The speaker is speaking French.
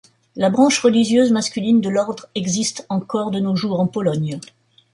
La branche religieuse masculine de l'ordre existe encore de nos jours en Pologne.